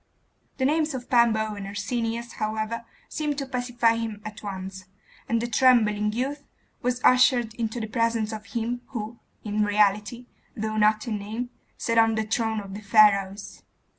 The names of Pambo and Arsenius, however, seemed to pacify him at once; and the trembling youth was ushered into the presence of him who in reality, though not in name, sat on the throne of the Pharaohs.